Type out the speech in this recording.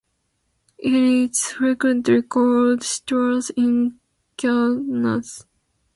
It is frequently called "Cistus incanus".